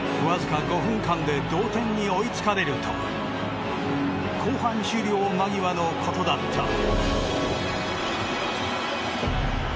わずか５分間で同点に追いつかれると後半終了間際のことだった。